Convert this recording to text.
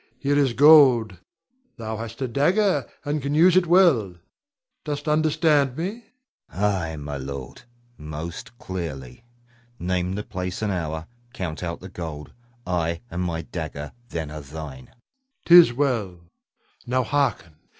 Here is gold thou hast a dagger, and can use it well. Dost understand me? Hugo. Ay, my lord, most clearly. Name the place and hour; count out the gold, I and my dagger then are thine. Rod. 'Tis well. Now harken.